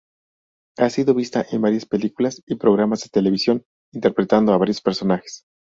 Ha sido vista en varias películas y programas de televisión, interpretando a varios personajes.